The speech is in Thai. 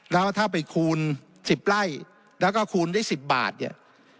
แล้วถ้าไปคูณ๑๐ไร่แล้วก็คูณได้๑๐บาทเนี่ย